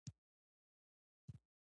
افغانستان له ښتې ډک دی.